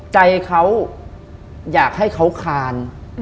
ใจเขาอยากให้เขาคาน